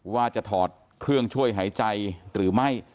ว่าจะถอดเครื่องช่วยหายใจหรือไม่